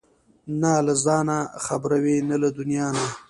نه له ځانه خبر وي نه له دنيا نه!